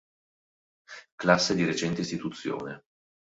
Classe di recente istituzione.